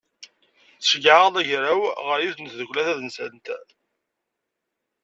Tceggeɛ-aɣ d agraw ɣer yiwet n tdukla tadelsant.